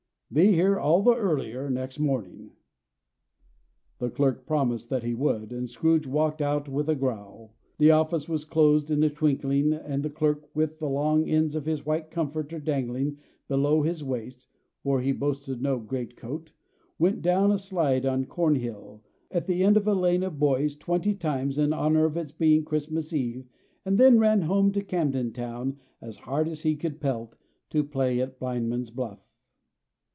Be here all the earlier next morning." The clerk promised that he would; and Scrooge walked out with a growl. The office was closed in a twinkling, and the clerk, with the long ends of his white comforter dangling below his waist (for he boasted no great coat), went down a slide on Cornhill, at the end of a lane of boys, twenty times, in honor of its being Christmas eve, and then ran home to Camden Town as hard as he could pelt, to play at blindman's buff.